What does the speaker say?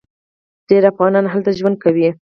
ډیر افغانان هلته ژوند کوي.